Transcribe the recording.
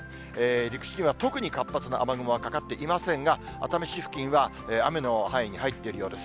陸地には特に活発な雨雲はかかっていませんが、熱海市付近は、雨の範囲に入っているようです。